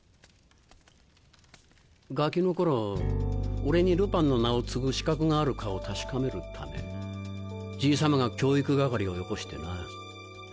ガキの頃俺にルパンの名を継ぐ資格があるかを確かめるためじいさまが教育係をよこしてな。